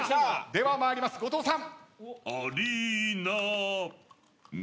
ではまいります、後藤さん。